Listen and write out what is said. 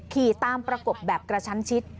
ขี่ตามประกบแบบกระชั้นชิด